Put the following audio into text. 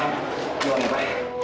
jangan ya pak